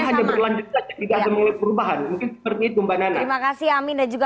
hanya berlanjutan tidak ada perubahan mungkin seperti itu mbak nana terima kasih amin dan juga